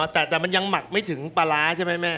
แต่มันยังหมักไม่ถึงปลาร้าใช่ไหมแม่